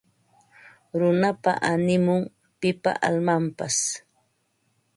Runapa animun; pipa almanpas